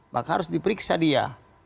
maka harus diperiksa dia